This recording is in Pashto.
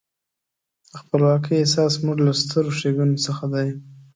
د خپلواکۍ احساس زموږ له سترو ښېګڼو څخه دی.